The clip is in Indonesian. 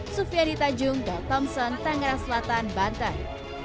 sufianita jung dan thompson tangerang selatan banten